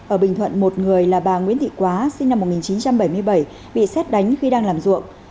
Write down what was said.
ở bình thuận một người là bà nguyễn thị quá sinh năm một nghìn chín trăm bảy mươi bảy bị xét đánh khi đang làm ruộng